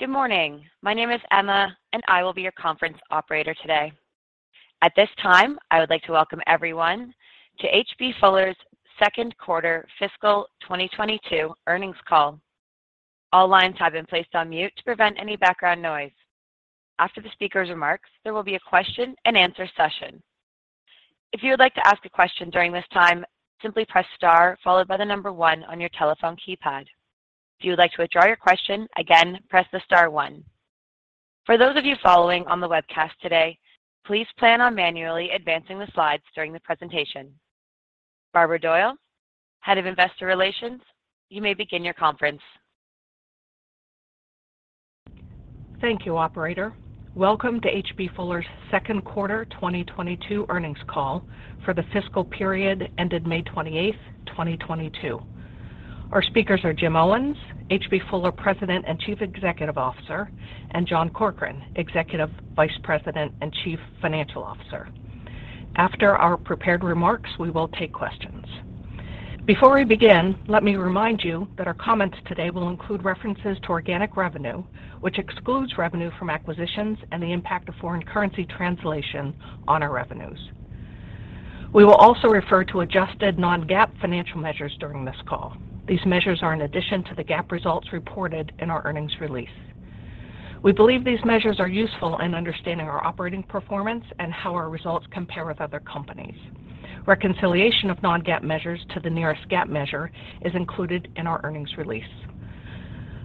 Good morning. My name is Emma, and I will be your conference operator today. At this time, I would like to welcome everyone to H.B. Fuller's second quarter fiscal 2022 earnings call. All lines have been placed on mute to prevent any background noise. After the speaker's remarks, there will be a question-and-answer session. If you would like to ask a question during this time, simply press star followed by the number one on your telephone keypad. If you would like to withdraw your question, again, press the star one. For those of you following on the webcast today, please plan on manually advancing the slides during the presentation. Barbara Doyle, Head of Investor Relations, you may begin your conference. Thank you, operator. Welcome to H.B. Fuller's second quarter 2022 earnings call for the fiscal period ended May 28, 2022. Our speakers are Jim Owens, H.B. Fuller President and Chief Executive Officer, and John Corkrean, Executive Vice President and Chief Financial Officer. After our prepared remarks, we will take questions. Before we begin, let me remind you that our comments today will include references to organic revenue, which excludes revenue from acquisitions and the impact of foreign currency translation on our revenues. We will also refer to adjusted non-GAAP financial measures during this call. These measures are in addition to the GAAP results reported in our earnings release. We believe these measures are useful in understanding our operating performance and how our results compare with other companies. Reconciliation of non-GAAP measures to the nearest GAAP measure is included in our earnings release.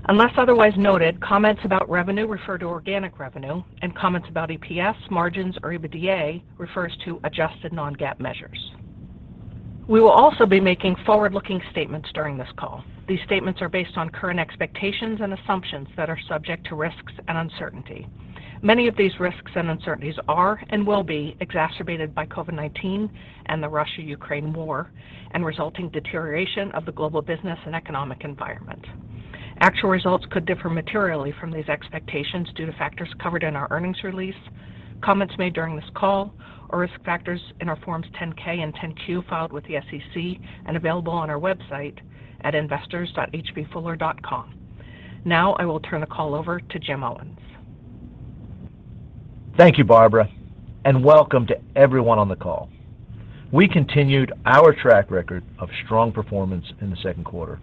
Unless otherwise noted, comments about revenue refer to organic revenue and comments about EPS, margins, or EBITDA refers to adjusted non-GAAP measures. We will also be making forward-looking statements during this call. These statements are based on current expectations and assumptions that are subject to risks and uncertainty. Many of these risks and uncertainties are and will be exacerbated by COVID-19 and the Russia-Ukraine war and resulting deterioration of the global business and economic environment. Actual results could differ materially from these expectations due to factors covered in our earnings release, comments made during this call, or risk factors in our Form 10-K and 10-Q filed with the SEC and available on our website at investors.hbfuller.com. Now I will turn the call over to Jim Owens. Thank you, Barbara, and welcome to everyone on the call. We continued our track record of strong performance in the second quarter,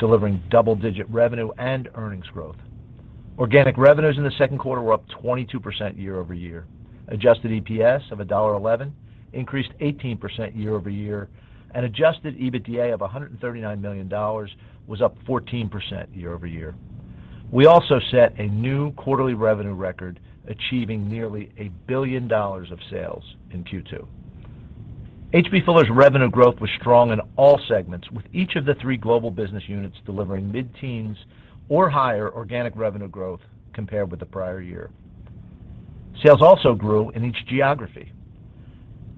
delivering double-digit revenue and earnings growth. Organic revenues in the second quarter were up 22% year-over-year. Adjusted EPS of $1.11 increased 18% year-over year, and adjusted EBITDA of $139 million was up 14% year-over-year. We also set a new quarterly revenue record, achieving nearly $1 billion of sales in Q2. H.B. Fuller's revenue growth was strong in all segments, with each of the three Global Business Units delivering mid-teens or higher organic revenue growth compared with the prior year. Sales also grew in each geography.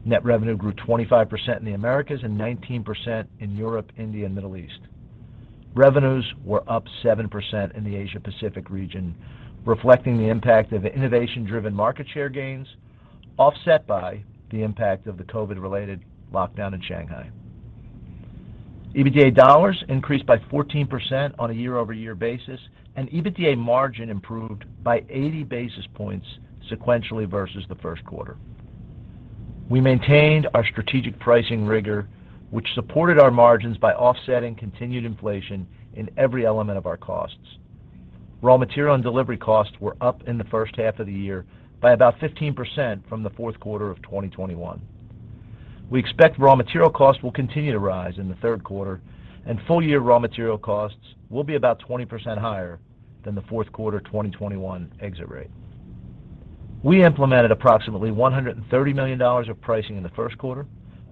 Net revenue grew 25% in the Americas and 19% in Europe, India, and Middle East. Revenues were up 7% in the Asia-Pacific region, reflecting the impact of innovation-driven market share gains, offset by the impact of the COVID-related lockdown in Shanghai. EBITDA dollars increased by 14% on a year-over-year basis, and EBITDA margin improved by 80 basis points sequentially versus the first quarter. We maintained our strategic pricing rigor, which supported our margins by offsetting continued inflation in every element of our costs. Raw material and delivery costs were up in the first half of the year by about 15% from the fourth quarter of 2021. We expect raw material costs will continue to rise in the third quarter, and full-year raw material costs will be about 20% higher than the fourth quarter 2021 exit rate. We implemented approximately $130 million of pricing in the first quarter,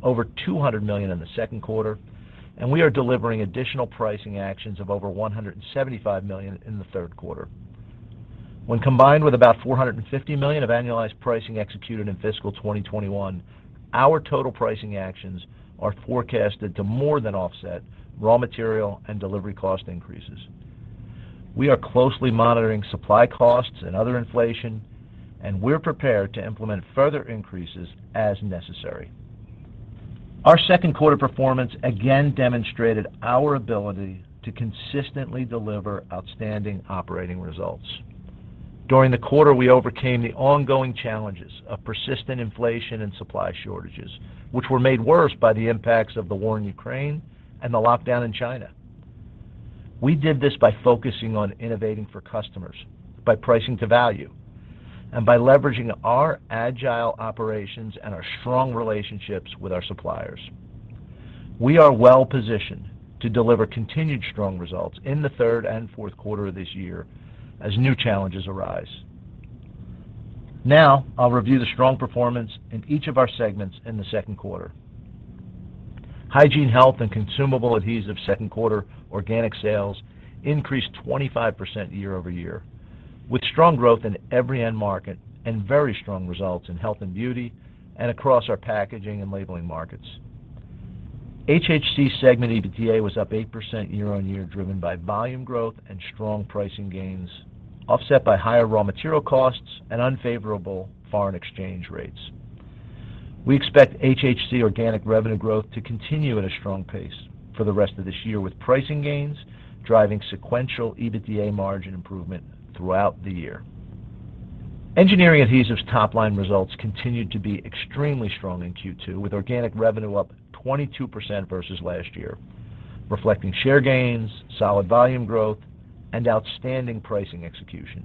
over $200 million in the second quarter, and we are delivering additional pricing actions of over $175 million in the third quarter. When combined with about $450 million of annualized pricing executed in fiscal 2021, our total pricing actions are forecasted to more than offset raw material and delivery cost increases. We are closely monitoring supply costs and other inflation, and we're prepared to implement further increases as necessary. Our second quarter performance again demonstrated our ability to consistently deliver outstanding operating results. During the quarter, we overcame the ongoing challenges of persistent inflation and supply shortages, which were made worse by the impacts of the war in Ukraine and the lockdown in China. We did this by focusing on innovating for customers, by pricing to value, and by leveraging our agile operations and our strong relationships with our suppliers. We are well positioned to deliver continued strong results in the third and fourth quarter of this year as new challenges arise. Now, I'll review the strong performance in each of our segments in the second quarter. Hygiene, Health, and Consumable Adhesive second quarter organic sales increased 25% year-over-year, with strong growth in every end market and very strong results in health and beauty and across our packaging and labeling markets. HHC segment EBITDA was up 8% year-on-year, driven by volume growth and strong pricing gains, offset by higher raw material costs and unfavorable foreign exchange rates. We expect HHC organic revenue growth to continue at a strong pace for the rest of this year, with pricing gains driving sequential EBITDA margin improvement throughout the year. Engineering Adhesives top line results continued to be extremely strong in Q2, with organic revenue up 22% versus last year, reflecting share gains, solid volume growth, and outstanding pricing execution.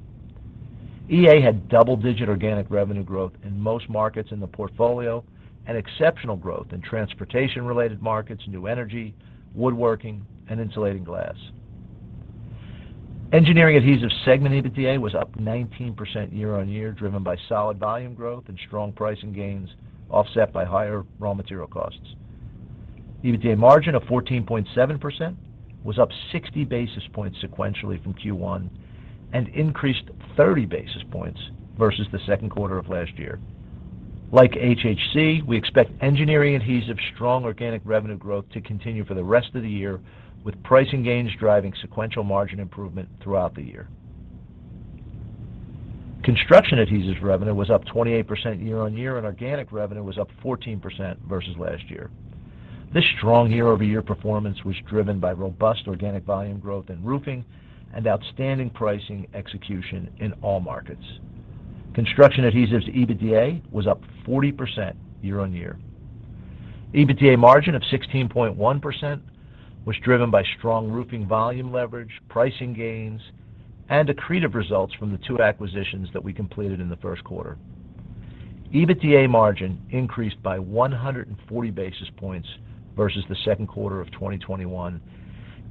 EA had double-digit organic revenue growth in most markets in the portfolio and exceptional growth in transportation related markets, new energy, woodworking and insulating glass. Engineering Adhesives segment EBITDA was up 19% year-on-year, driven by solid volume growth and strong pricing gains offset by higher raw material costs. EBITDA margin of 14.7% was up 60 basis points sequentially from Q1 and increased 30 basis points versus the second quarter of last year. Like HHC, we expect Engineering Adhesives strong organic revenue growth to continue for the rest of the year, with pricing gains driving sequential margin improvement throughout the year. Construction Adhesives revenue was up 28% year-on-year and organic revenue was up 14% versus last year. This strong year-over-year performance was driven by robust organic volume growth in roofing and outstanding pricing execution in all markets. Construction Adhesives EBITDA was up 40% year-on-year. EBITDA margin of 16.1% was driven by strong roofing volume leverage, pricing gains and accretive results from the two acquisitions that we completed in the first quarter. EBITDA margin increased by 140 basis points versus the second quarter of 2021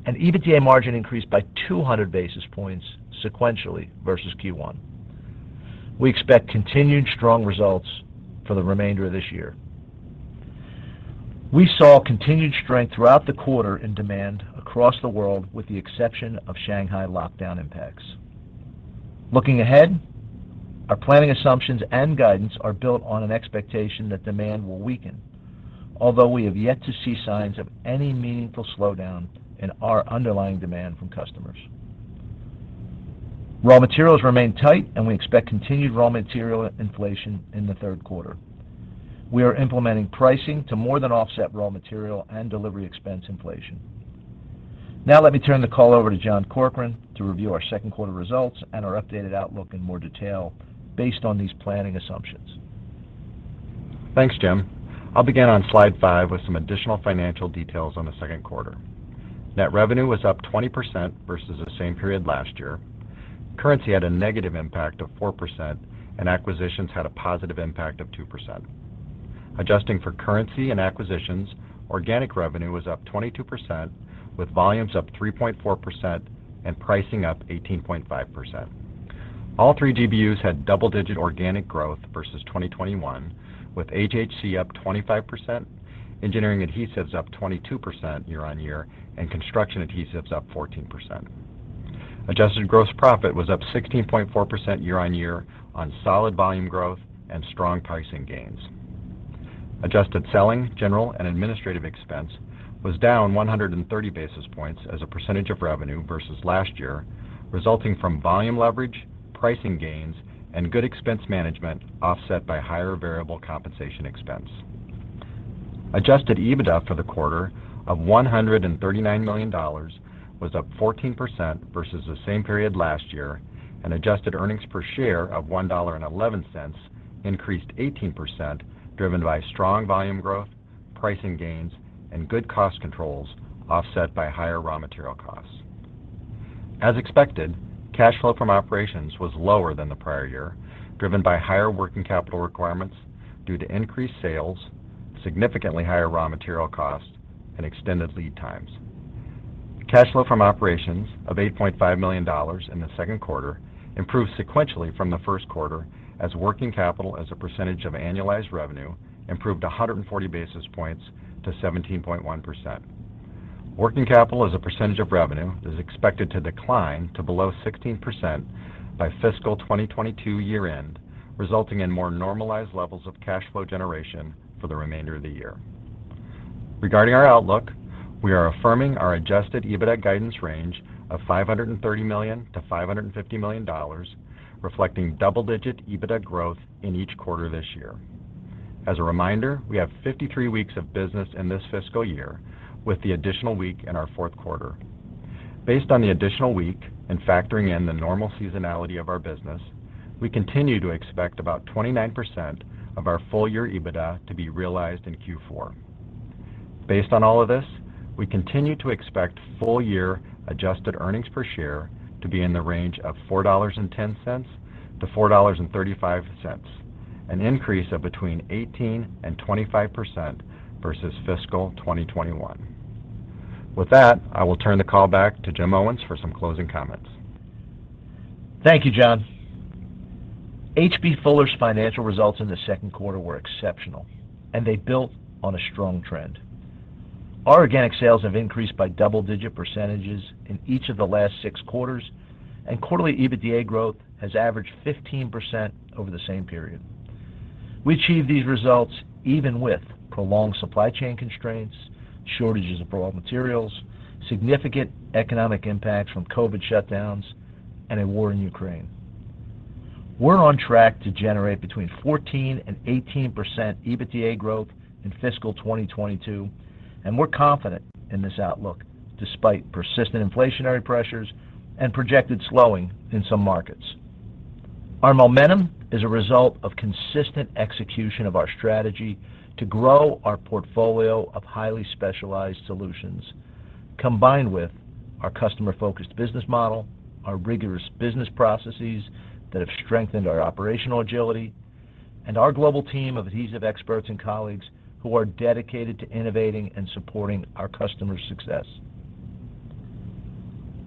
and EBITDA margin increased by 200 basis points sequentially versus Q1. We expect continued strong results for the remainder of this year. We saw continued strength throughout the quarter in demand across the world with the exception of Shanghai lockdown impacts. Looking ahead, our planning assumptions and guidance are built on an expectation that demand will weaken. Although we have yet to see signs of any meaningful slowdown in our underlying demand from customers. Raw materials remain tight and we expect continued raw material inflation in the third quarter. We are implementing pricing to more than offset raw material and delivery expense inflation. Now let me turn the call over to John Corkrean to review our second quarter results and our updated outlook in more detail based on these planning assumptions. Thanks, Jim. I'll begin on slide 5 with some additional financial details on the second quarter. Net revenue was up 20% versus the same period last year. Currency had a negative impact of 4% and acquisitions had a positive impact of 2%. Adjusting for currency and acquisitions, organic revenue was up 22%, with volumes up 3.4% and pricing up 18.5%. All three GBUs had double digit organic growth versus 2021, with HHC up 25%, Engineering Adhesives up 22% year-over-year and Construction Adhesives up 14%. Adjusted gross profit was up 16.4% year-over-year on solid volume growth and strong pricing gains. Adjusted selling, general and administrative expense was down 130 basis points as a percentage of revenue versus last year, resulting from volume leverage, pricing gains and good expense management offset by higher variable compensation expense. Adjusted EBITDA for the quarter of $139 million was up 14% versus the same period last year and adjusted earnings per share of $1.11 increased 18% driven by strong volume growth, pricing gains and good cost controls offset by higher raw material costs. As expected, cash flow from operations was lower than the prior year, driven by higher working capital requirements due to increased sales, significantly higher raw material costs and extended lead times. Cash flow from operations of $8.5 million in the second quarter improved sequentially from the first quarter as working capital as a percentage of annualized revenue improved 140 basis points to 17.1%. Working capital as a percentage of revenue is expected to decline to below 16% by fiscal 2022 year end, resulting in more normalized levels of cash flow generation for the remainder of the year. Regarding our outlook, we are affirming our adjusted EBITDA guidance range of $530 million to $550 million, reflecting double-digit EBITDA growth in each quarter this year. As a reminder, we have 53 weeks of business in this fiscal year with the additional week in our fourth quarter. Based on the additional week and factoring in the normal seasonality of our business, we continue to expect about 29% of our full year EBITDA to be realized in Q4. Based on all of this, we continue to expect full year adjusted earnings per share to be in the range of $4.10 to $4.35, an increase of between 18% and 25% versus fiscal 2021. With that, I will turn the call back to Jim Owens for some closing comments. Thank you, John. H.B. Fuller's financial results in the second quarter were exceptional and they built on a strong trend. Our organic sales have increased by double digit percentages in each of the last six quarters, and quarterly EBITDA growth has averaged 15% over the same period. We achieved these results even with prolonged supply chain constraints, shortages of raw materials, significant economic impacts from COVID shutdowns, and a war in Ukraine. We're on track to generate between 14% and 18% EBITDA growth in fiscal 2022, and we're confident in this outlook despite persistent inflationary pressures and projected slowing in some markets. Our momentum is a result of consistent execution of our strategy to grow our portfolio of highly specialized solutions, combined with our customer-focused business model, our rigorous business processes that have strengthened our operational agility, and our global team of adhesive experts and colleagues who are dedicated to innovating and supporting our customers' success.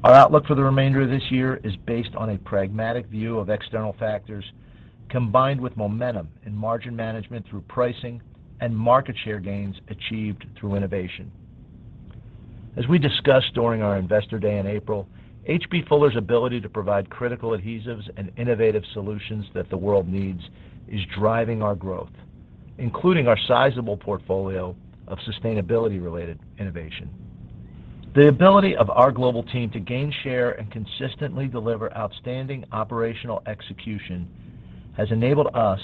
Our outlook for the remainder of this year is based on a pragmatic view of external factors, combined with momentum and margin management through pricing and market share gains achieved through innovation. As we discussed during our Investor Day in April, H.B. Fuller's ability to provide critical adhesives and innovative solutions that the world needs is driving our growth, including our sizable portfolio of sustainability-related innovation. The ability of our global team to gain share and consistently deliver outstanding operational execution has enabled us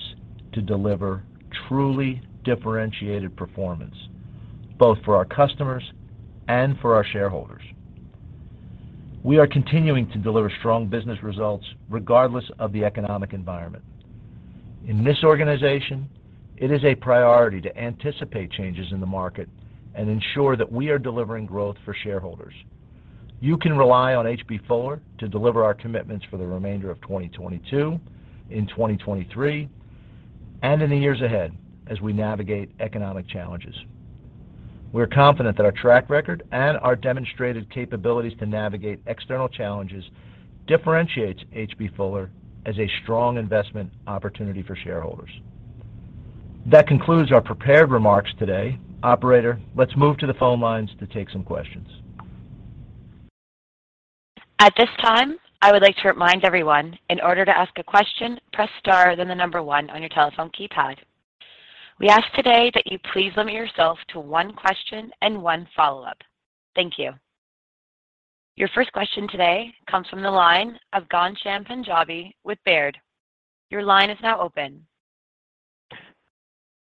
to deliver truly differentiated performance, both for our customers and for our shareholders. We are continuing to deliver strong business results regardless of the economic environment. In this organization, it is a priority to anticipate changes in the market and ensure that we are delivering growth for shareholders. You can rely on H.B. Fuller to deliver our commitments for the remainder of 2022, in 2023, and in the years ahead as we navigate economic challenges. We're confident that our track record and our demonstrated capabilities to navigate external challenges differentiates H.B. Fuller as a strong investment opportunity for shareholders. That concludes our prepared remarks today. Operator, let's move to the phone lines to take some questions. At this time, I would like to remind everyone, in order to ask a question, press star, then the number one on your telephone keypad. We ask today that you please limit yourself to one question and one follow-up. Thank you. Your first question today comes from the line of Ghansham Panjabi with Baird. Your line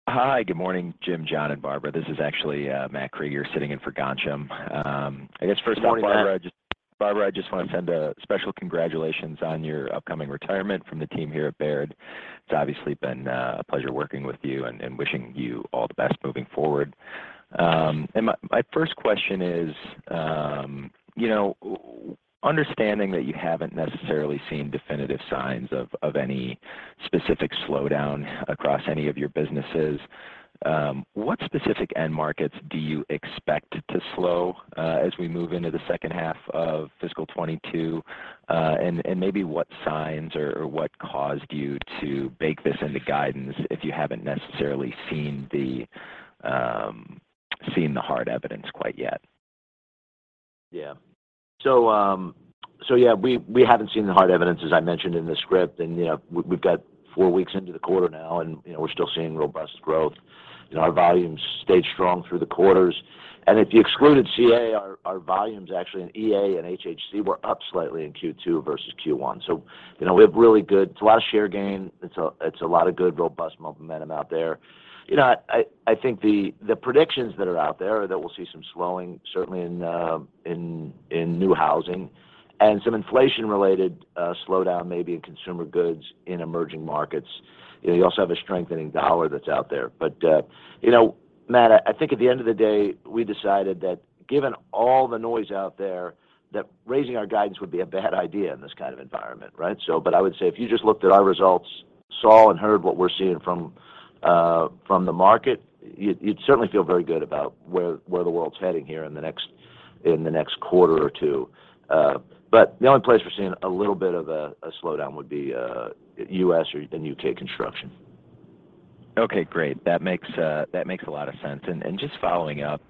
is now open. Hi. Good morning, Jim, John, and Barbara. This is actually Matt Krueger sitting in for Ghansham. I guess first of all. Good morning, Matt. Barbara, I just want to send a special congratulations on your upcoming retirement from the team here at Baird. It's obviously been a pleasure working with you and wishing you all the best moving forward. My first question is, you know, understanding that you haven't necessarily seen definitive signs of any specific slowdown across any of your businesses, what specific end markets do you expect to slow as we move into the second half of fiscal 2022? Maybe what signs or what caused you to bake this into guidance if you haven't necessarily seen the hard evidence quite yet? Yeah. We haven't seen the hard evidence, as I mentioned in the script. You know, we've got four weeks into the quarter now and, you know, we're still seeing robust growth. You know, our volumes stayed strong through the quarters. If you excluded CA, our volumes actually in EA and HHC were up slightly in Q2 versus Q1. You know, we have really good. It's a lot of share gain. It's a lot of good, robust momentum out there. You know, I think the predictions that are out there that we'll see some slowing certainly in new housing and some inflation-related slowdown maybe in consumer goods in emerging markets. You know, you also have a strengthening dollar that's out there. You know, Matt, I think at the end of the day, we decided that given all the noise out there, that raising our guidance would be a bad idea in this kind of environment, right? I would say if you just looked at our results, saw and heard what we're seeing from the market, you'd certainly feel very good about where the world's heading here in the next quarter or two. The only place we're seeing a little bit of a slowdown would be U.S. or the U.K. construction. Okay, great. That makes a lot of sense. Just following up,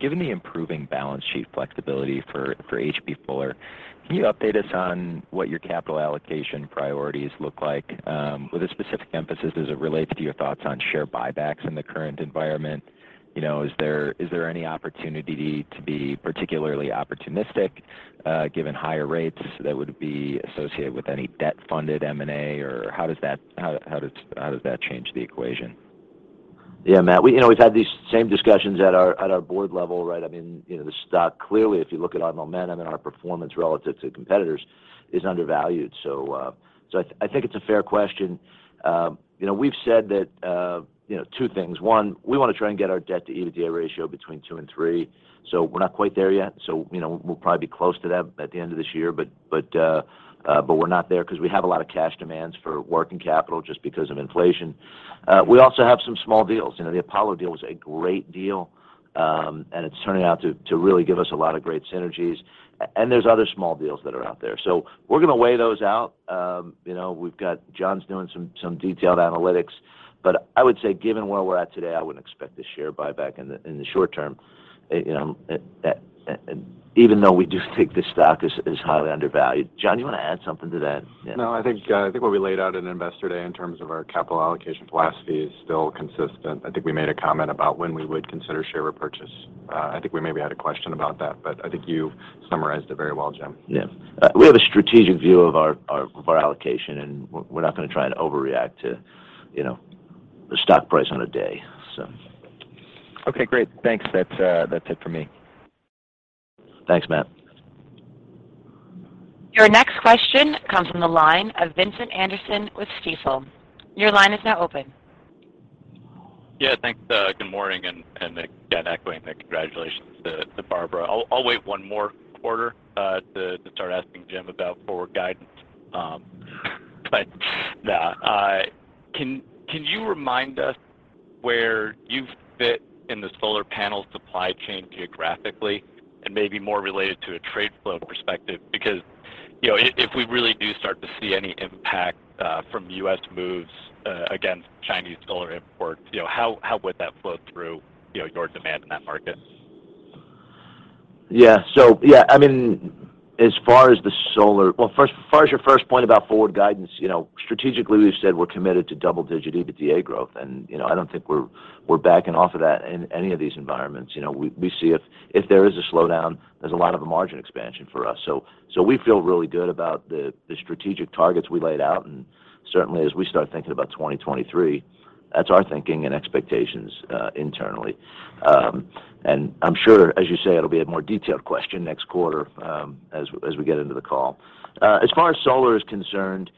given the improving balance sheet flexibility for H.B. Fuller, can you update us on what your capital allocation priorities look like, with a specific emphasis as it relates to your thoughts on share buybacks in the current environment? Is there any opportunity to be particularly opportunistic, given higher rates that would be associated with any debt-funded M&A? Or how does that change the equation? Yeah, Matt, you know, we've had these same discussions at our board level, right? I mean, you know, the stock, clearly, if you look at our momentum and our performance relative to competitors, is undervalued. So I think it's a fair question. You know, we've said that, you know, two things. One, we wanna try and get our debt to EBITDA ratio between two and three. We're not quite there yet, you know, we'll probably be close to that by the end of this year, but we're not there, 'cause we have a lot of cash demands for working capital just because of inflation. We also have some small deals. You know, the Apollo deal was a great deal, and it's turning out to really give us a lot of great synergies, and there's other small deals that are out there. We're gonna weigh those out. You know, John's doing some detailed analytics. I would say, given where we're at today, I wouldn't expect a share buyback in the short term. You know, even though we do think the stock is highly undervalued. John, you wanna add something to that? Yeah. No, I think what we laid out at Investor Day in terms of our capital allocation philosophy is still consistent. I think we made a comment about when we would consider share repurchase. I think we maybe had a question about that, but I think you summarized it very well, Jim. Yeah. We have a strategic view of our allocation, and we're not gonna try and overreact to, you know, the stock price on a day, so. Okay, great. Thanks. That's it for me. Thanks, Matt. Your next question comes from the line of Vincent Anderson with Stifel. Your line is now open. Yeah, thanks. Good morning, and again, echoing the congratulations to Barbara. I'll wait one more quarter to start asking Jim about forward guidance. Can you remind us where you fit in the solar panel supply chain geographically, and maybe more related to a trade flow perspective? Because you know, if we really do start to see any impact from U.S. moves against Chinese solar imports, you know, how would that flow through you know, your demand in that market? Yeah. I mean, as far as your first point about forward guidance, you know, strategically we've said we're committed to double-digit EBITDA growth, and, you know, I don't think we're backing off of that in any of these environments. You know, we see if there is a slowdown, there's a lot of margin expansion for us. We feel really good about the strategic targets we laid out, and certainly as we start thinking about 2023, that's our thinking and expectations internally. I'm sure, as you say, it'll be a more detailed question next quarter, as we get into the call. As far as solar is concerned,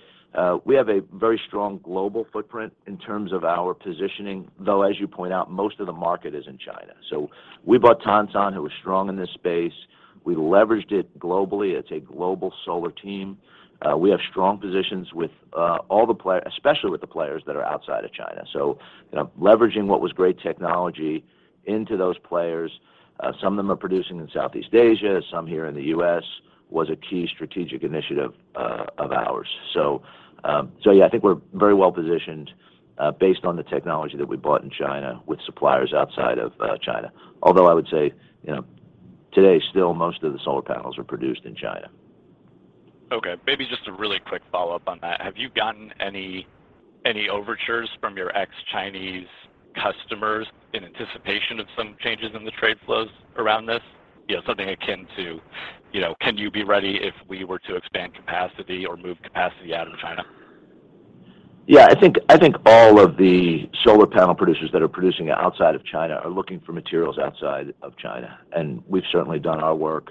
we have a very strong global footprint in terms of our positioning, though, as you point out, most of the market is in China. We bought TONSAN, who was strong in this space. We leveraged it globally. It's a global solar team. We have strong positions with, all the especially with the players that are outside of China. You know, leveraging what was great technology into those players, some of them are producing in Southeast Asia, some here in the U.S., was a key strategic initiative, of ours. Yeah, I think we're very well positioned, based on the technology that we bought in China with suppliers outside of, China. Although I would say, you know, today still most of the solar panels are produced in China. Okay. Maybe just a really quick follow-up on that. Have you gotten any overtures from your ex-Chinese customers in anticipation of some changes in the trade flows around this? You know, something akin to, you know, Can you be ready if we were to expand capacity or move capacity out of China? Yeah, I think all of the solar panel producers that are producing outside of China are looking for materials outside of China, and we've certainly done our work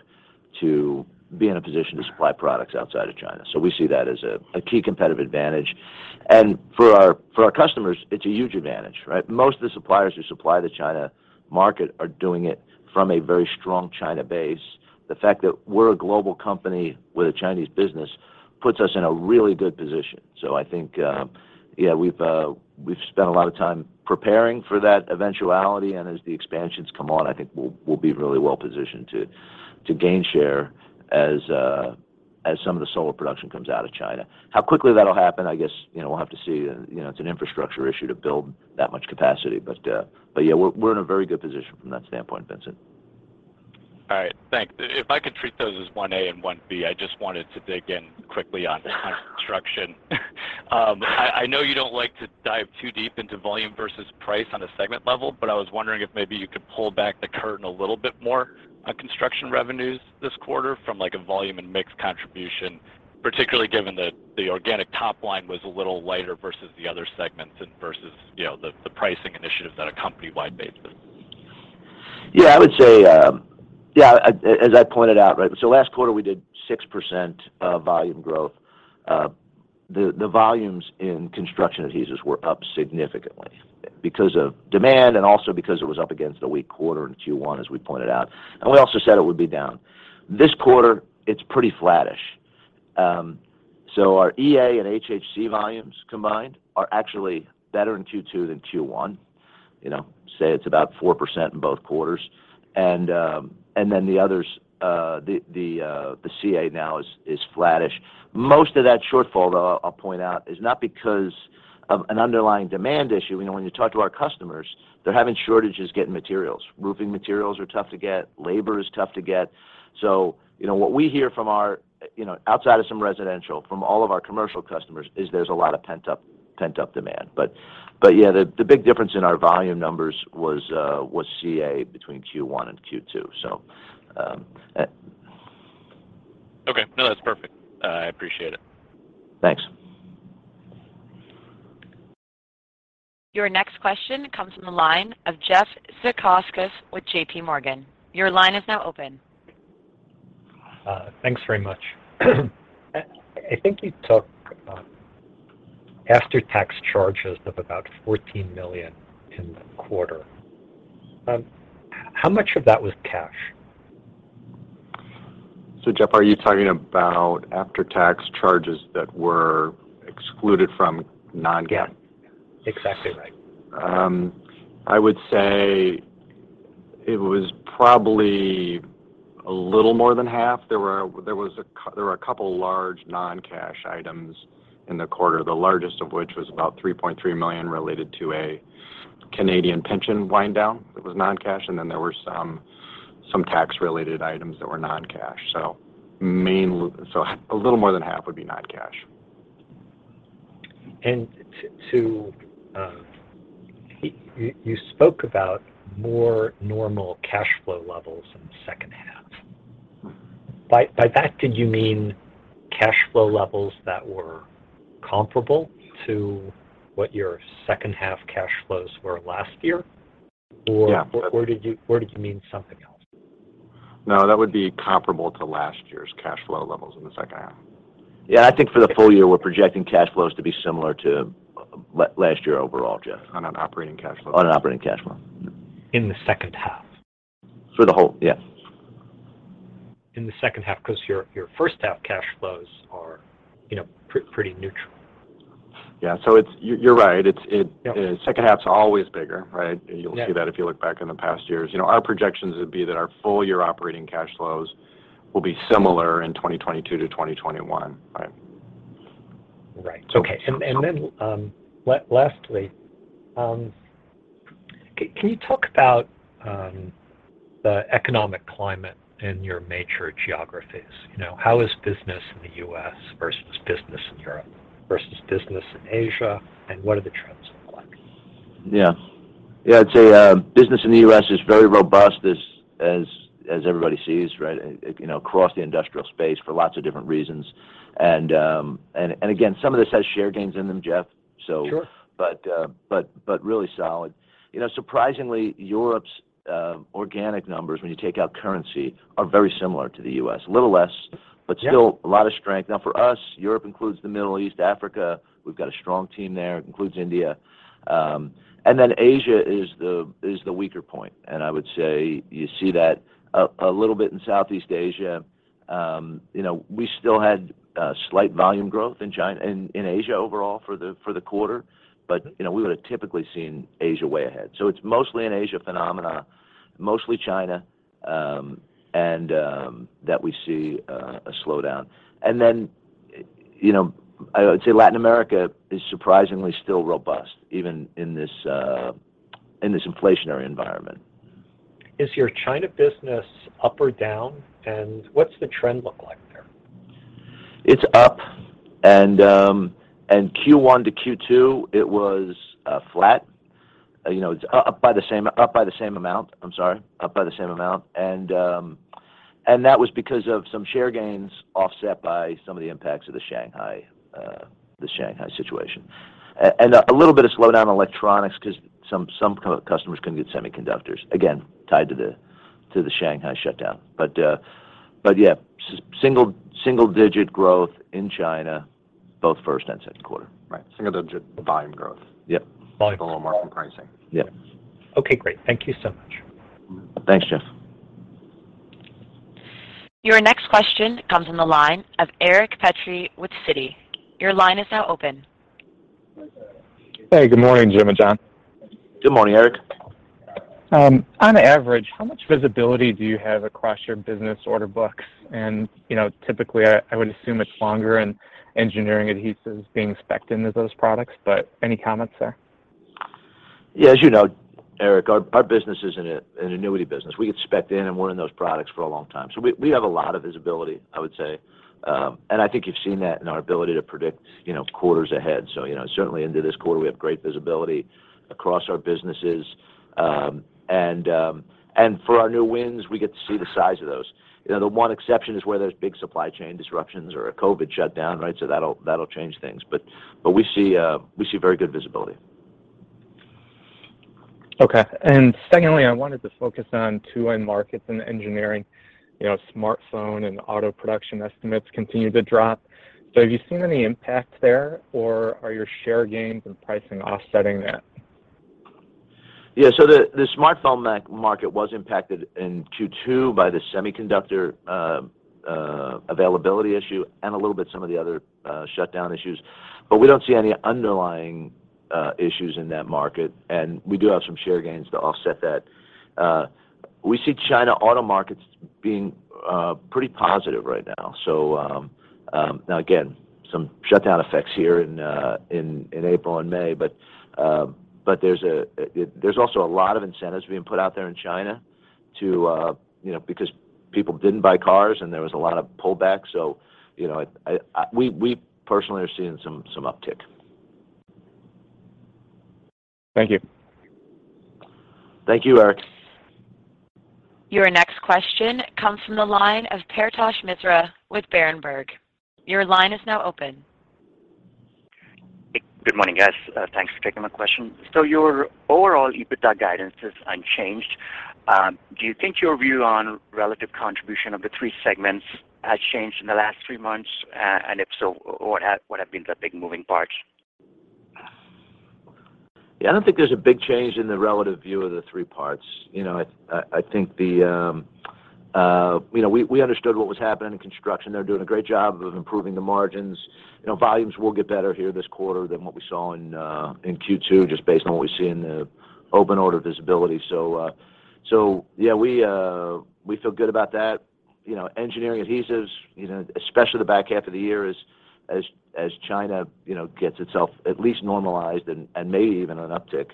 to be in a position to supply products outside of China. We see that as a key competitive advantage. For our customers, it's a huge advantage, right? Most of the suppliers who supply the China market are doing it from a very strong China base. The fact that we're a global company with a Chinese business puts us in a really good position. I think we've spent a lot of time preparing for that eventuality, and as the expansions come on, I think we'll be really well positioned to gain share as some of the solar production comes out of China. How quickly that'll happen, I guess, you know, we'll have to see. You know, it's an infrastructure issue to build that much capacity. Yeah, we're in a very good position from that standpoint, Vincent. All right. Thanks. If I could treat those as one A and one B, I just wanted to dig in quickly on construction. I know you don't like to dive too deep into volume versus price on a segment level, but I was wondering if maybe you could pull back the curtain a little bit more on construction revenues this quarter from like a volume and mix contribution, particularly given that the organic top line was a little lighter versus the other segments and versus you know the pricing initiatives on a company-wide basis. Yeah, I would say, as I pointed out, right? Last quarter we did 6% volume growth. The volumes in Construction Adhesives were up significantly because of demand and also because it was up against a weak quarter in Q1, as we pointed out, and we also said it would be down. This quarter, it's pretty flattish. Our EA and HHC volumes combined are actually better in Q2 than Q1. You know, say it's about 4% in both quarters. Then the others, the CA now is flattish. Most of that shortfall, though, I'll point out, is not because of an underlying demand issue. You know, when you talk to our customers, they're having shortages getting materials. Roofing materials are tough to get. Labor is tough to get. You know, what we hear from our, you know, outside of some residential, from all of our commercial customers is there's a lot of pent-up demand. But yeah, the big difference in our volume numbers was CA between Q1 and Q2. Okay. No, that's perfect. I appreciate it. Thanks. Your next question comes from the line of Jeff Zekauskas with JPMorgan. Your line is now open. Thanks very much. I think you took after-tax charges of about $14 million in the quarter. How much of that was cash? Jeff, are you talking about after-tax charges that were excluded from non-GAAP? Yeah. Exactly right. I would say it was probably a little more than half. There were a couple large non-cash items in the quarter, the largest of which was about $3.3 million related to a Canadian pension wind down that was non-cash, and then there were some tax related items that were non-cash. A little more than half would be non-cash. You spoke about more normal cash flow levels in the second half. By that, did you mean cash flow levels that were comparable to what your second half cash flows were last year? Yeah. Where did you mean something else? No, that would be comparable to last year's cash flow levels in the second half. Yeah. I think for the full year, we're projecting cash flows to be similar to last year overall, Jeff. On an operating cash flow. On an operating cash flow. In the second half? For the whole, yeah. In the second half, 'cause your first half cash flows are, you know, pretty neutral. Yeah. You're right. Yeah. Second half's always bigger, right? Yeah. You'll see that if you look back in the past years. You know, our projections would be that our full year operating cash flows will be similar in 2022 to 2021, right? Right. Okay. So. Lastly, can you talk about the economic climate in your major geographies? You know, how is business in the U.S. versus business in Europe versus business in Asia, and what are the trends look like? Yeah, I'd say business in the U.S. is very robust as everybody sees, right? You know, across the industrial space for lots of different reasons. Again, some of this has share gains in them, Jeff. So- Sure But really solid. You know, surprisingly, Europe's organic numbers, when you take out currency, are very similar to the U.S., a little less. Yeah still a lot of strength. Now, for us, Europe includes the Middle East, Africa. We've got a strong team there. Includes India. Asia is the weaker point, and I would say you see that a little bit in Southeast Asia. You know, we still had slight volume growth in China and in Asia overall for the quarter, but you know, we would've typically seen Asia way ahead. It's mostly an Asian phenomenon, mostly China, and that we see a slowdown. You know, I would say Latin America is surprisingly still robust, even in this inflationary environment. Is your China business up or down? What's the trend look like there? It's up. Q1 to Q2, it was flat. It's up by the same amount. I'm sorry. Up by the same amount. That was because of some share gains offset by some of the impacts of the Shanghai situation. A little bit of slowdown in electronics 'cause some kind of customers couldn't get semiconductors. Again, tied to the Shanghai shutdown. Single digit growth in China, both first and second quarter. Right. Single-digit volume growth. Yep. Volume pricing. Yep. Okay, great. Thank you so much. Thanks, Jeff. Your next question comes from the line of Eric Petrie with Citi. Your line is now open. Hey. Good morning, Jim and John. Good morning, Eric. On average, how much visibility do you have across your business order books? You know, typically I would assume it's longer in Engineering Adhesives being spec'd into those products, but any comments there? Yeah. As you know, Eric, our business is an annuity business. We get specked in and we're in those products for a long time. We have a lot of visibility, I would say. I think you've seen that in our ability to predict, you know, quarters ahead. You know, certainly into this quarter, we have great visibility across our businesses. For our new wins, we get to see the size of those. You know, the one exception is where there's big supply chain disruptions or a COVID shutdown, right? That'll change things. But we see very good visibility. Okay. Secondly, I wanted to focus on two end markets in engineering. You know, smartphone and auto production estimates continue to drop. Have you seen any impact there, or are your share gains and pricing offsetting that? Yeah. The smartphone market was impacted in Q2 by the semiconductor availability issue and a little bit some of the other shutdown issues. We don't see any underlying issues in that market, and we do have some share gains to offset that. We see China auto markets being pretty positive right now. Now again, some shutdown effects here in April and May, but there's a lot of incentives being put out there in China, you know, because people didn't buy cars, and there was a lot of pullbacks. You know, we personally are seeing some uptick. Thank you. Thank you, Eric. Your next question comes from the line of Paretosh Misra with Berenberg. Your line is now open. Good morning, guys. Thanks for taking my question. Your overall EBITDA guidance is unchanged. Do you think your view on relative contribution of the three segments has changed in the last three months? If so, what have been the big moving parts? Yeah. I don't think there's a big change in the relative view of the three parts. You know, I think we understood what was happening in construction. They're doing a great job of improving the margins. You know, volumes will get better here this quarter than what we saw in Q2, just based on what we see in the open order visibility. Yeah, we feel good about that. You know, Engineering Adhesives, especially the back half of the year as China gets itself at least normalized and maybe even an uptick,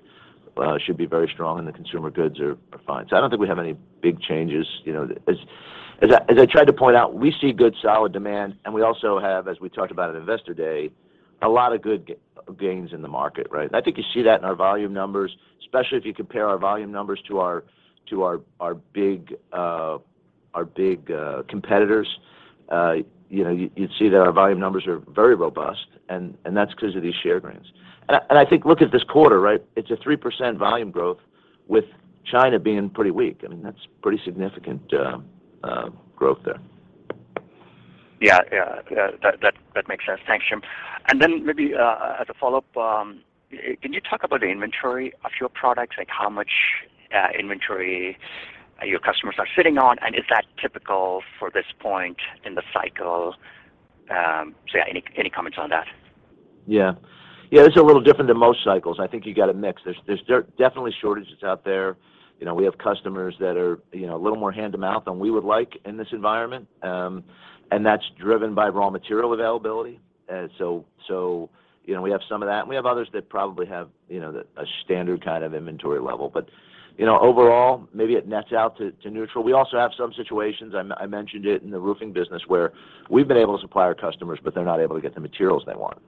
should be very strong and the consumer goods are fine. I don't think we have any big changes. As I tried to point out, we see good solid demand, and we also have, as we talked about at Investor Day, a lot of good gains in the market, right? I think you see that in our volume numbers, especially if you compare our volume numbers to our big competitors. You know, you'd see that our volume numbers are very robust, and that's because of these share gains. I think look at this quarter, right? It's a 3% volume growth with China being pretty weak. I mean, that's pretty significant growth there. Yeah. That makes sense. Thanks, Jim. Maybe as a follow-up, can you talk about the inventory of your products? Like, how much inventory are your customers sitting on, and is that typical for this point in the cycle? Yeah, any comments on that? Yeah. Yeah, it's a little different than most cycles. I think you got a mix. There's definitely shortages out there. You know, we have customers that are, you know, a little more hand-to-mouth than we would like in this environment. That's driven by raw material availability. You know, we have some of that, and we have others that probably have, you know, a standard kind of inventory level. You know, overall, maybe it nets out to neutral. We also have some situations. I mentioned it in the roofing business, where we've been able to supply our customers, but they're not able to get the materials they want.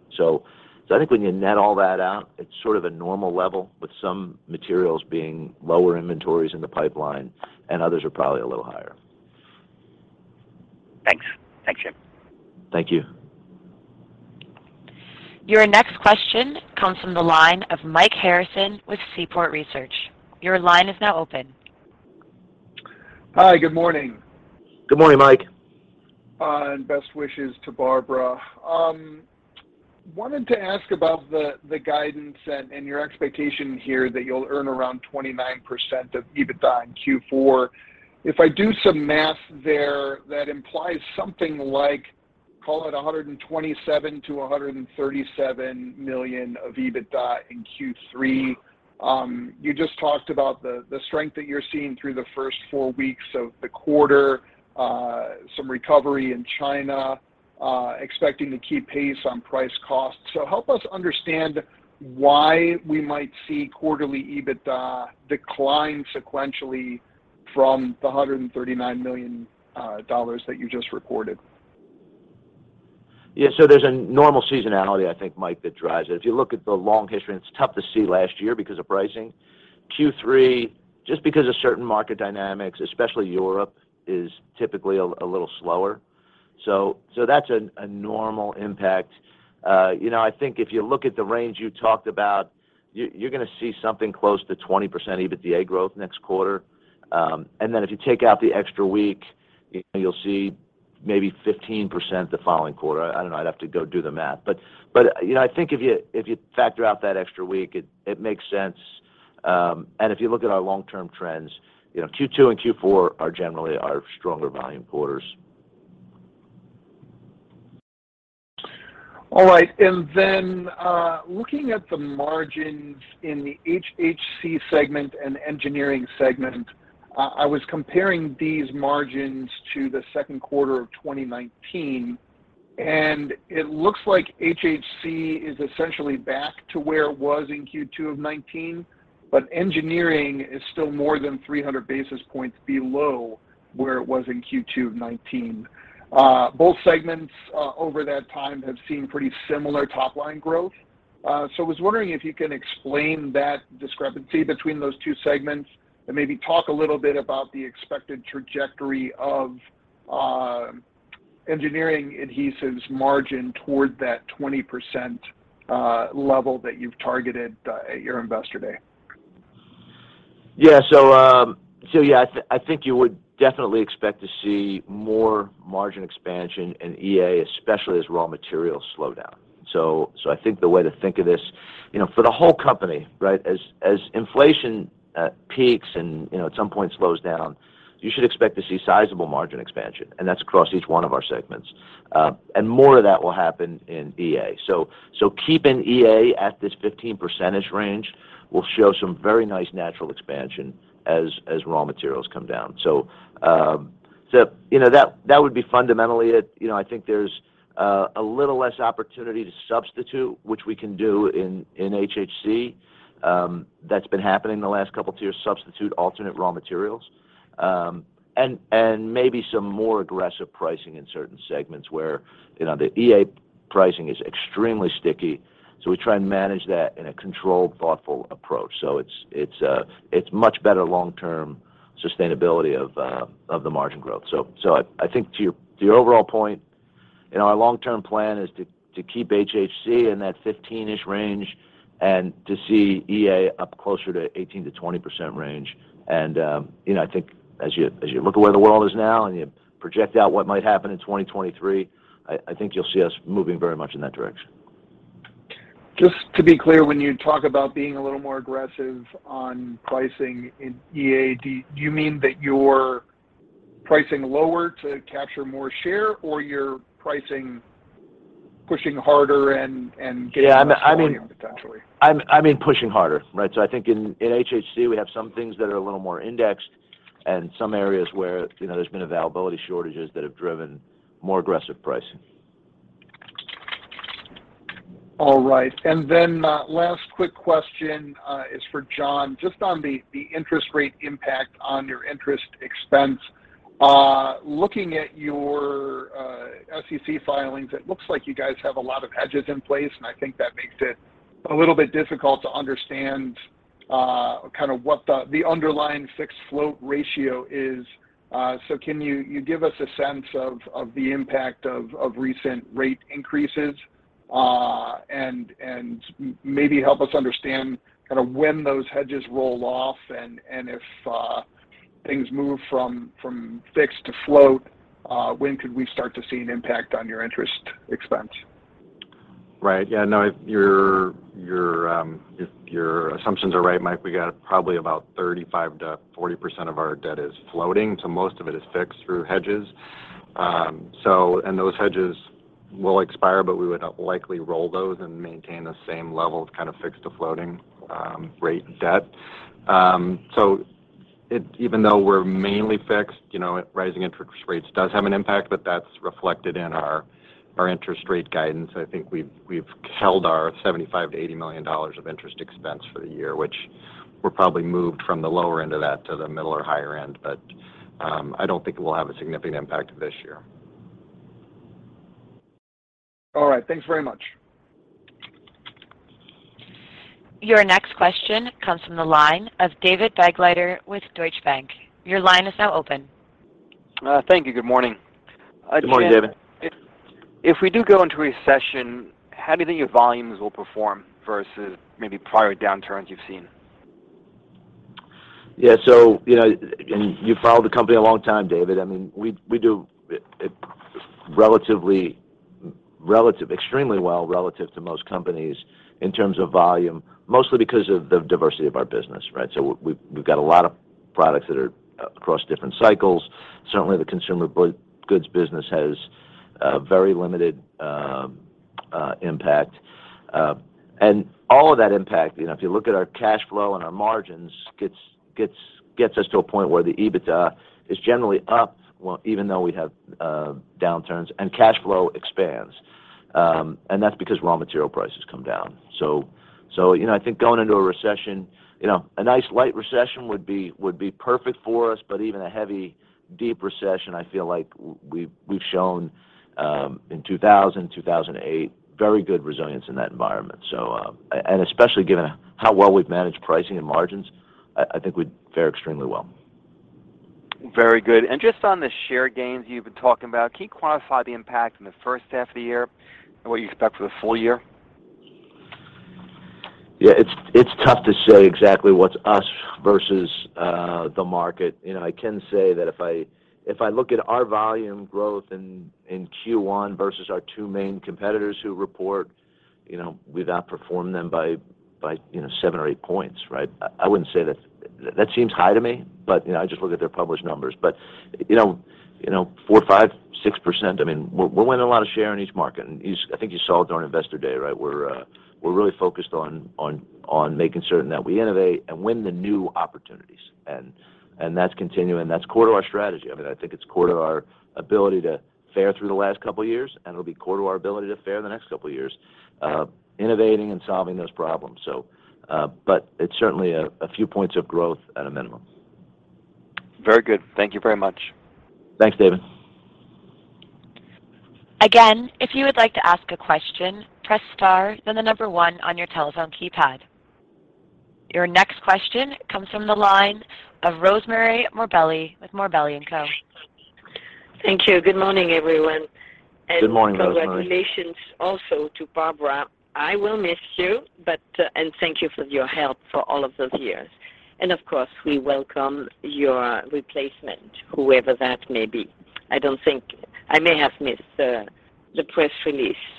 I think when you net all that out, it's sort of a normal level with some materials being lower inventories in the pipeline and others are probably a little higher. Thanks. Thanks, Jim. Thank you. Your next question comes from the line of Mike Harrison with Seaport Research. Your line is now open. Hi, good morning. Good morning, Mike. Best wishes to Barbara. Wanted to ask about the guidance and your expectation here that you'll earn around 29% of EBITDA in Q4. If I do some math there, that implies something like, call it $127 million to $137 million of EBITDA in Q3. You just talked about the strength that you're seeing through the first four weeks of the quarter, some recovery in China, expecting to keep pace on price cost. Help us understand why we might see quarterly EBITDA decline sequentially from the $139 million dollars that you just recorded. Yeah. There's a normal seasonality, I think, Mike, that drives it. If you look at the long history, it's tough to see last year because of pricing. Q3, just because of certain market dynamics, especially Europe, is typically a little slower. That's a normal impact. You know, I think if you look at the range you talked about, you're gonna see something close to 20% EBITDA growth next quarter. Then if you take out the extra week, you'll see maybe 15% the following quarter. I don't know, I'd have to go do the math. You know, I think if you factor out that extra week, it makes sense. If you look at our long-term trends, you know, Q2 and Q4 are generally our stronger volume quarters. All right. Looking at the margins in the HHC segment and engineering segment, I was comparing these margins to the second quarter of 2019, and it looks like HHC is essentially back to where it was in Q2 of 2019, but engineering is still more than 300 basis points below where it was in Q2 of 2019. Both segments over that time have seen pretty similar top line growth. I was wondering if you can explain that discrepancy between those two segments, and maybe talk a little bit about the expected trajectory of Engineering Adhesives margin toward that 20% level that you've targeted at your Investor Day. I think you would definitely expect to see more margin expansion in EA, especially as raw materials slow down. I think the way to think of this, you know, for the whole company, right? As inflation peaks and, you know, at some point slows down, you should expect to see sizable margin expansion, and that's across each one of our segments. More of that will happen in EA. Keeping EA at this 15% range will show some very nice natural expansion as raw materials come down. You know, that would be fundamentally it. You know, I think there's a little less opportunity to substitute, which we can do in HHC. That's been happening the last couple of years, substitute alternate raw materials. Maybe some more aggressive pricing in certain segments where, you know, the EA pricing is extremely sticky, so we try and manage that in a controlled, thoughtful approach. It's much better long-term sustainability of the margin growth. I think to your overall point, you know, our long-term plan is to keep HHC in that 15% range and to see EA up closer to 18% to 20% range. You know, I think as you look at where the world is now and you project out what might happen in 2023, I think you'll see us moving very much in that direction. Just to be clear, when you talk about being a little more aggressive on pricing in EA, do you mean that you're pricing lower to capture more share, or you're pricing pushing harder and getting? Yeah. I mean. More volume potentially? I mean pushing harder, right? I think in HHC, we have some things that are a little more indexed and some areas where, you know, there's been availability shortages that have driven more aggressive pricing. All right. Last quick question is for John, just on the interest rate impact on your interest expense. Looking at your SEC filings, it looks like you guys have a lot of hedges in place, and I think that makes it a little bit difficult to understand kind of what the underlying fixed float ratio is. Can you give us a sense of the impact of recent rate increases and maybe help us understand kinda when those hedges roll off and if things move from fixed to float, when could we start to see an impact on your interest expense? Your assumptions are right, Mike. We got probably about 35% to 40% of our debt is floating, so most of it is fixed through hedges. Those hedges will expire, but we would likely roll those and maintain the same level of kind of fixed to floating rate debt. Even though we're mainly fixed, you know, rising interest rates does have an impact, but that's reflected in our interest rate guidance. I think we've held our $75 million to $80 million of interest expense for the year, which we're probably moved from the lower end of that to the middle or higher end. I don't think it will have a significant impact this year. All right. Thanks very much. Your next question comes from the line of David Begleiter with Deutsche Bank. Your line is now open. Thank you. Good morning. Good morning, David. Again, if we do go into recession, how do you think your volumes will perform versus maybe prior downturns you've seen? Yeah. You know, you followed the company a long time, David. I mean, we do it relatively extremely well relative to most companies in terms of volume, mostly because of the diversity of our business, right? We've got a lot of products that are across different cycles. Certainly, the consumer goods business has a very limited impact. All of that impact, you know, if you look at our cash flow and our margins gets us to a point where the EBITDA is generally up, well, even though we have downturns and cash flow expands, and that's because raw material prices come down. You know, I think going into a recession, you know, a nice light recession would be perfect for us. Even a heavy, deep recession, I feel like we've shown in 2008 very good resilience in that environment. Especially given how well we've managed pricing and margins, I think we'd fare extremely well. Very good. Just on the share gains you've been talking about, can you quantify the impact in the first half of the year and what you expect for the full year? Yeah. It's tough to say exactly what's us versus the market. You know, I can say that if I look at our volume growth in Q1 versus our two main competitors who report, you know, we've outperformed them by seven or eight points, right? I wouldn't say that. That seems high to me, but you know, I just look at their published numbers. You know, 4, 5, 6%, I mean, we're winning a lot of share in each market. I think you saw it during Investor Day, right? We're really focused on making certain that we innovate and win the new opportunities. That's continuing. That's core to our strategy. I mean, I think it's core to our ability to fare through the last couple of years, and it'll be core to our ability to fare the next couple of years, innovating and solving those problems. It's certainly a few points of growth at a minimum. Very good. Thank you very much. Thanks, David. Again, if you would like to ask a question, press star, then the number one on your telephone keypad. Your next question comes from the line of Rosemarie Morbelli with Gabelli & Company. Thank you. Good morning, everyone. Good morning, Rosemarie. Congratulations also to Barbara. I will miss you, but and thank you for your help for all of those years. Of course, we welcome your replacement, whoever that may be. I may have missed the press release.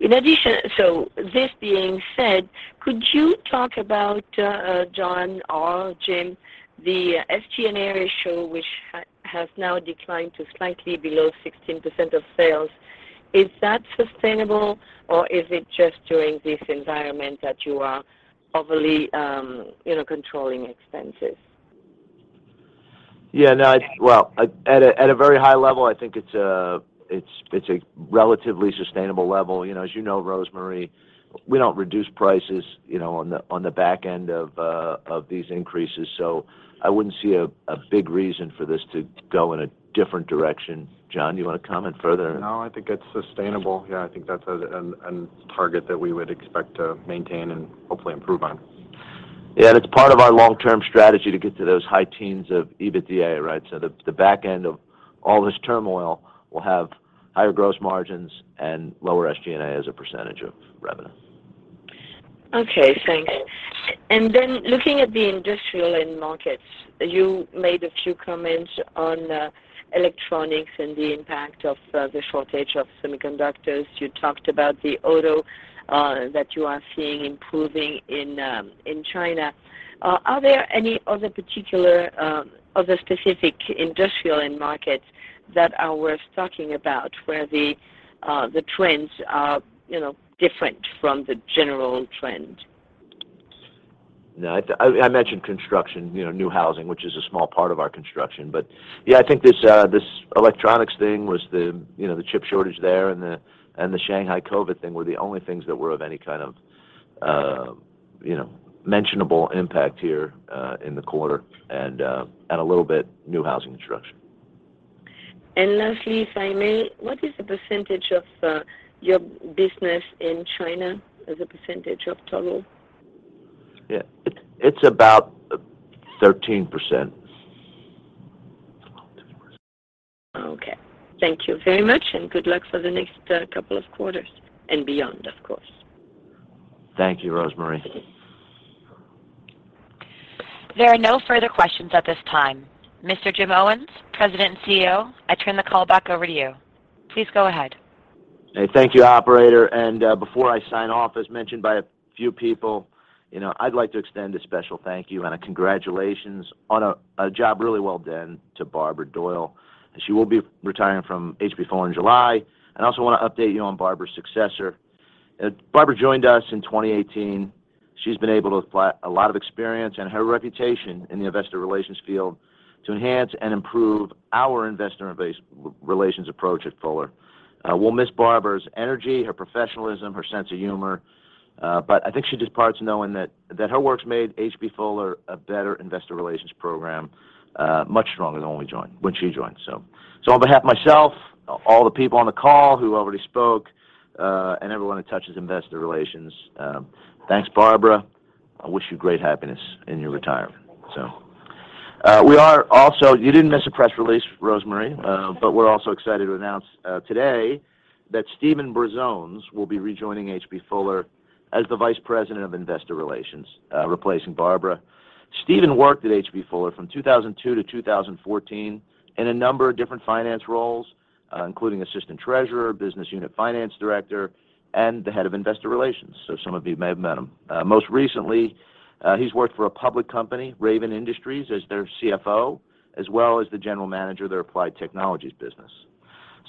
In addition, this being said, could you talk about John or Jim, the SG&A ratio, which has now declined to slightly below 16% of sales? Is that sustainable or is it just during this environment that you are overly controlling expenses? Yeah. No. Well, at a very high level, I think it's a relatively sustainable level. You know, as you know, Rosemarie, we don't reduce prices, you know, on the back end of these increases. I wouldn't see a big reason for this to go in a different direction. John, you wanna comment further? No, I think it's sustainable. Yeah, I think that's a target that we would expect to maintain and hopefully improve on. Yeah. It's part of our long-term strategy to get to those high teens of EBITDA, right? The back end of all this turmoil will have higher gross margins and lower SG&A as a percentage of revenue. Okay, thanks. Looking at the industrial end markets, you made a few comments on electronics and the impact of the shortage of semiconductors. You talked about the auto that you are seeing improving in China. Are there any other particular specific industrial end markets that are worth talking about where the trends are, you know, different from the general trend? No. I mentioned construction, you know, new housing, which is a small part of our construction. Yeah, I think this electronics thing was the, you know, the chip shortage there and the Shanghai COVID thing were the only things that were of any kind of mentionable impact here in the quarter and a little bit new housing construction. Lastly, if I may, what is the percentage of your business in China as a percentage of total? Yeah. It's about 13%. Okay. Thank you very much, and good luck for the next couple of quarters and beyond, of course. Thank you, Rosemarie. There are no further questions at this time. Mr. Jim Owens, President and CEO, I turn the call back over to you. Please go ahead. Hey, thank you, operator. Before I sign off, as mentioned by a few people, you know, I'd like to extend a special thank you and a congratulations on a job really well done to Barbara Doyle, and she will be retiring from H.B. Fuller in July. I also wanna update you on Barbara's successor. Barbara joined us in 2018. She's been able to apply a lot of experience and her reputation in the investor relations field to enhance and improve our investor relations approach at Fuller. We'll miss Barbara's energy, her professionalism, her sense of humor, but I think she just departs knowing that her work's made H.B. Fuller a better investor relations program, much stronger than when she joined. On behalf of myself, all the people on the call who already spoke, and everyone who touches investor relations, thanks, Barbara. I wish you great happiness in your retirement. We are also. You didn't miss a press release, Rosemarie, but we're also excited to announce today that Steven Brazones will be rejoining H.B. Fuller as the vice president of investor relations, replacing Barbara. Steven worked at H.B. Fuller from 2002 to 2014 in a number of different finance roles, including assistant treasurer, business unit finance director, and the head of investor relations. Some of you may have met him. Most recently, he's worked for a public company, Raven Industries, as their CFO, as well as the general manager of their applied technologies business.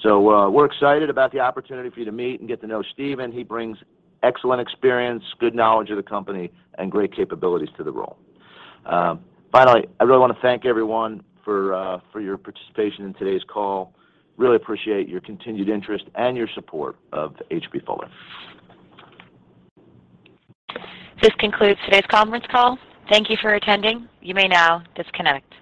We're excited about the opportunity for you to meet and get to know Steven Brazones. He brings excellent experience, good knowledge of the company, and great capabilities to the role. Finally, I really wanna thank everyone for your participation in today's call. Really appreciate your continued interest and your support of H.B. Fuller. This concludes today's conference call. Thank you for attending. You may now disconnect.